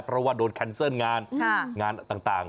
เพราะว่าโดนแคนเซิลงานงานต่าง